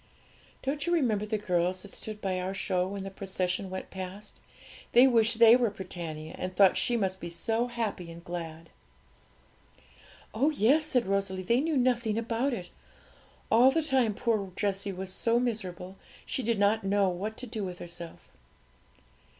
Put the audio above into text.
'Don't you remember the girls that stood by our show when the procession went past? They wished they were Britannia, and thought she must be so happy and glad.' 'Oh yes!' said Rosalie; 'they knew nothing about it. All the time poor Jessie was so miserable she did not know what to do with herself.'